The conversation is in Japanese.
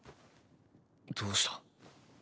どうした？